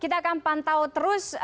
kita akan pantau terus